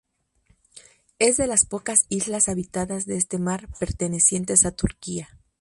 Es de las pocas islas habitadas de este mar pertenecientes a Turquía.